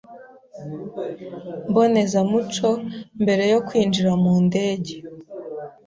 mbonezamuco mbere yo kwinjira mu ndege